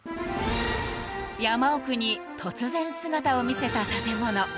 山奥に突然、姿を見せた建物。